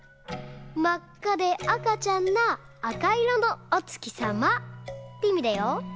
まっかで赤ちゃんな赤いろのお月さま」っていみだよ。